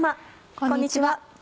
こんにちは。